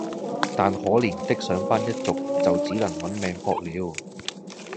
但可憐的上班一族就只能「搵命博」了